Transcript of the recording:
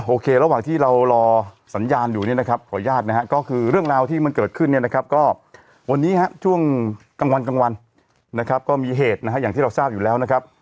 ระหว่างที่เรารอสัญญาณอยู่เนี่ยนะครับขออนุญาตนะฮะก็คือเรื่องราวที่มันเกิดขึ้นเนี่ยนะครับก็วันนี้ฮะช่วงกลางวันกลางวันนะครับก็มีเหตุนะฮะอย่างที่เราทราบอยู่แล้วนะครับ